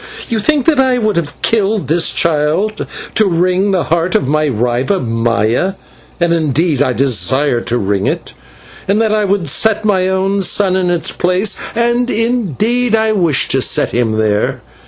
You think that I would have killed this child to wring the heart of my rival, Maya and indeed I desire to wring it; and that I would set my own son in his place and indeed I wish to set him there.